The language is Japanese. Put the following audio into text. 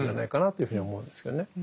というふうに思うんですけどね。